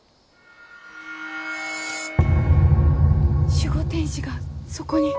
守護天使がそこに。